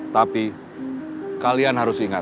tapi kalian harus ingat